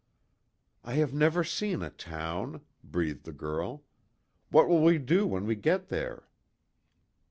"I have never seen a town," breathed the girl, "What will we do when we get there?"